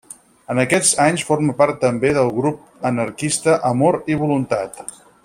En aquests anys forma part també del grup anarquista Amor i Voluntat.